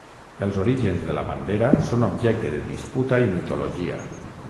Els orígens de la bandera són objecte de disputa i mitologia.